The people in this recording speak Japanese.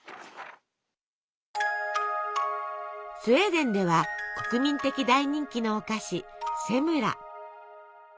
スウェーデンでは国民的大人気のお菓子セムラ。